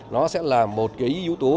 nó sẽ là một yếu tố